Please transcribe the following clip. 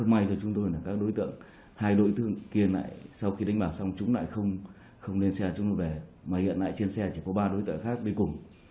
mà hiện nay trên xe chỉ có ba đối tượng khác bên cùng